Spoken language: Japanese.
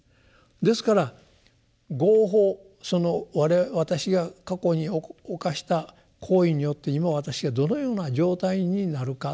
ですから「業報」その私が過去に犯した行為によって今私がどのような状態になるか。